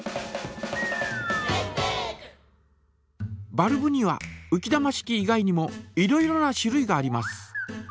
バルブにはうき玉式以外にもいろいろな種類があります。